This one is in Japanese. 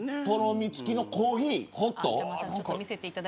とろみ付きのコーヒーホット。